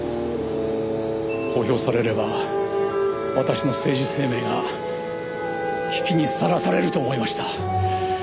公表されれば私の政治生命は危機にさらされると思いました。